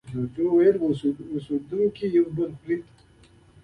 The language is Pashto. جوجو وویل اوسېدونکي یو بل خوري.